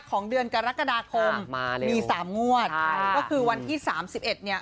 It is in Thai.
ของเดือนกรกฎาคมมีสามงวดใช่ก็คือวันที่สามสิบเอ็ดเนี่ย